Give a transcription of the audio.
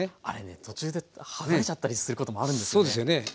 あれね途中ではがれちゃったりすることもあるんですよね。